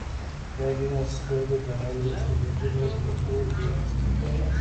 Esta línea suele tener diversos vehículos en su dotación.